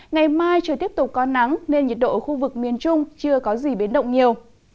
ngày mai trời tiếp tục có nắng nên nhiệt độ ở khu vực miền trung chưa có gì biến động nhiều